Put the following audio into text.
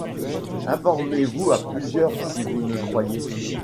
Informez-vous à plusieurs si vous ne croyez.